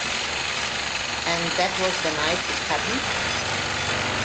And that was the night it happened?